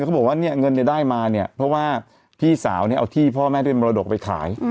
เขาบอกว่าเงินได้มาเพราะว่าพี่สาวเอาที่พ่อแม่ด้วยมรดกไปขาย